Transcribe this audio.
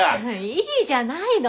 いいじゃないの。